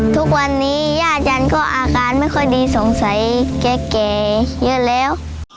ทุกวันนี้ย่าจันทร์ก็อาการไม่ค่อยดีสงสัยแก่เยอะแล้ว